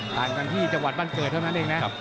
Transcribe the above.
ต่างกันที่จังหวัดบ้านเกิดเท่านั้นเองนะ